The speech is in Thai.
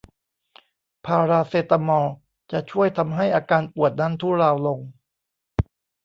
พาราเซตามอลจะช่วยทำให้อาการปวดนั้นทุเลาลง